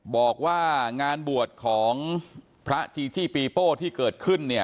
บอกว่างานบวชของพระจีจี้ปีโป้ที่เกิดขึ้นเนี่ย